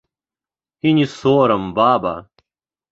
І не сорам, баба!